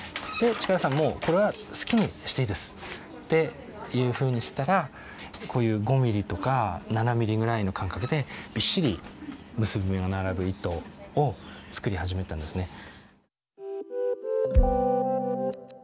で「力さんもうこれは好きにしていいです」っていうふうにしたらこういう５ミリとか７ミリぐらいの間隔でびっしり結び目が並ぶ糸を作り始めたんですね。